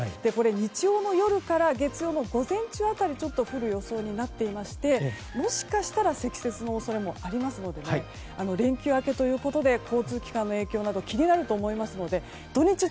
これ、日曜の夜から月曜の午前中辺りにちょっと降る予想になっていましてもしかしたら積雪の恐れもありますので連休明けということで交通機関の影響など気になると思いますので土日